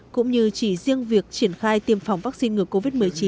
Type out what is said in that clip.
cũng như chỉ riêng việc triển khai tiêm phòng vaccine ngừa covid một mươi chín